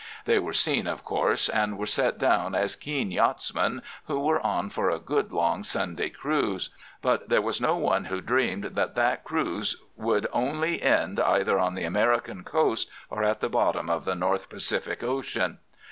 They were seen, of course, and were set down as keen yachtsmen who were on for a good long Sunday cruise; but there was no one who dreamed that that cruise would only end either on the American coast or at the bottom of the North Pacific Ocean.